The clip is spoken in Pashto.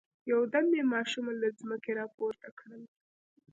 يودم يې ماشومه له ځمکې را پورته کړل.